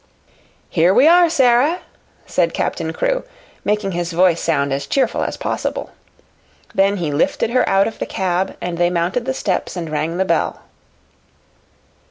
"Here we are, Sara," said Captain Crewe, making his voice sound as cheerful as possible. Then he lifted her out of the cab and they mounted the steps and rang the bell.